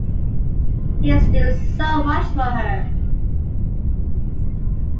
He's doing so much for her.